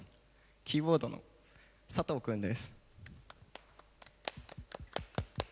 キーボードの佐藤君です。